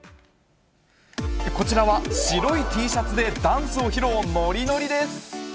こちらは白いＴシャツでダンスを披露、ノリノリです。